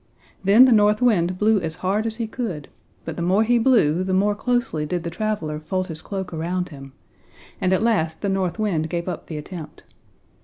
Then the North Wind blew as hard as he could, but the more he blew the more closely did the traveler fold his cloak around him; and at last the North Wind gave up the attempt.